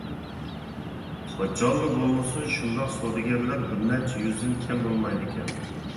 قاچانلا بولمىسۇن، شۇنداق سودىگەرلەر بىرنەچچە يۈزدىن كەم بولمايدىكەن.